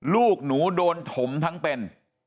ลูกหนูโดนถมทั้งเป็น